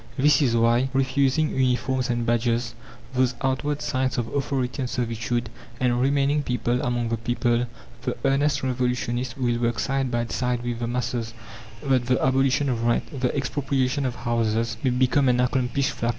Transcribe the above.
This is why, refusing uniforms and badges those outward signs of authority and servitude and remaining people among the people, the earnest revolutionists will work side by side with the masses, that the abolition of rent, the expropriation of houses, may become an accomplished fact.